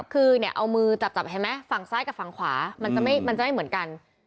คือเนี่ยเอามือจับเห็นไหมฝั่งซ้ายกับฝั่งขวามันจะไม่เหมือนกัน